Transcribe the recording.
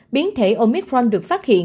biến thể omicron được phát hiện